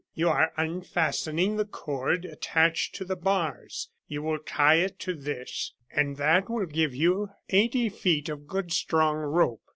You are unfastening the cord attached to the bars; you will tie it to this, and that will give you eighty feet of good strong rope.